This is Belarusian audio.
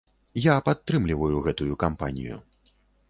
Я падтрымліваю гэтую кампанію!